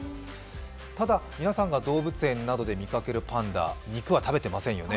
ただ、皆さんが動物園などでみかけるパンダ、肉は食べていませんよね。